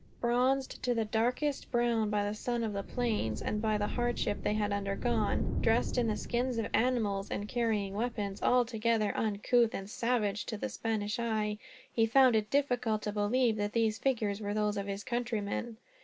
Bronzed to the darkest brown by the sun of the plains and by the hardships they had undergone, dressed in the skins of animals, and carrying weapons altogether uncouth and savage to the Spanish eye, he found it difficult to believe that these figures were those of his countrymen.